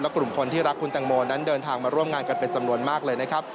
กลุ่มคนที่รักคุณแตงโมนั้นเดินทางมาร่วมงานกันเป็นจำนวนมากเลยนะครับ